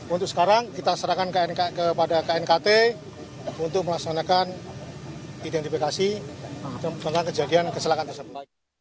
untuk sekarang kita serahkan kepada knkt untuk melaksanakan identifikasi tentang kejadian kecelakaan tersebut